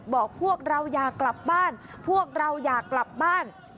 บอกพวกเราอยากกลับบ้านพวกเราอยากกลับบ้าน